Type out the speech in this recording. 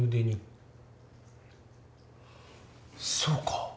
そうか。